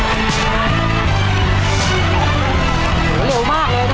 เออไปลูก